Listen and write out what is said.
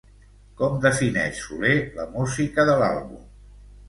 Com defineix Soler la música de l'àlbum?